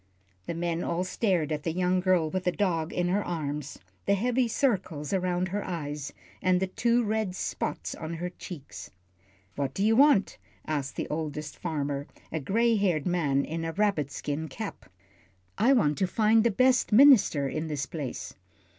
The men all stared at the young girl with the dog in her arms, the heavy circles around her eyes, and the two red spots on her cheeks. "What do you want?" asked the oldest farmer, a gray haired man in a rabbit skin cap. "I want to find the best minister in this place."